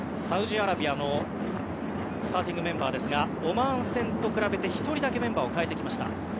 サウジアラビアのスターティングメンバーですがオマーン戦と比べて１人だけメンバーを代えてきました。